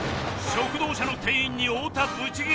食堂車の店員に太田ブチギレ！